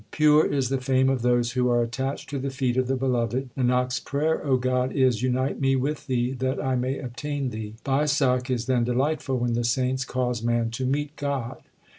Pure is the fame of those who are attached to the feet of the Beloved. Nanak s prayer, O God, is Unite me with Thee that I may obtain Thee. Baisakh is then delightful when the saints cause man to meet God.